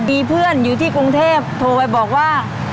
มีเพื่อนอยู่ที่กรุงเทพโทรไปบอกว่า